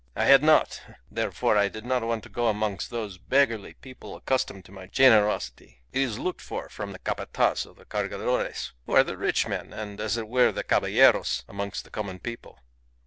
"I had not! Therefore I did not want to go amongst those beggarly people accustomed to my generosity. It is looked for from the Capataz of the Cargadores, who are the rich men, and, as it were, the Caballeros amongst the common people.